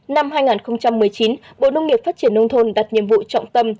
năm hai nghìn một mươi chín bộ nông nghiệp phát triển nông thôn đặt nhiệm vụ trọng tâm